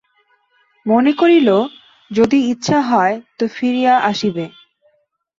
মনে করিল, যদি ইচ্ছা হয় তো ফিরিয়া আসিবে।